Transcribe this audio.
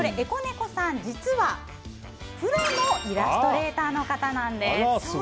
Ｅｃｏｎｅｃｏさん、実はプロのイラストレーターの方なんです。